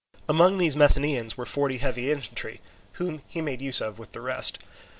Among these Messenians were forty heavy infantry, whom he made use of with the rest.